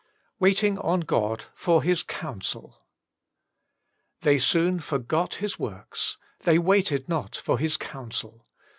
WAITING ON GOD: ^or tiiQ CoundeU * They soon forgat His works : they waited not for His counsel.'